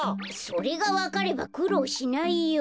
それがわかればくろうしないよ。